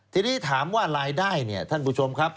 ทีนี้ถามว่ารายได้เนี่ยท่านผู้ชมครับ